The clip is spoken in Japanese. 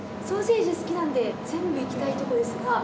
ソーセージ好きなんで全部いきたいとこですが。